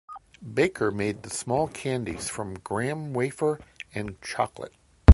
Baker made the small candies from graham wafer and chocolate.